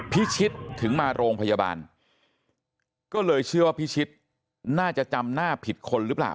พิชิตถึงมาโรงพยาบาลก็เลยเชื่อว่าพิชิตน่าจะจำหน้าผิดคนหรือเปล่า